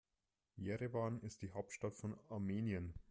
Jerewan ist die Hauptstadt von Armenien.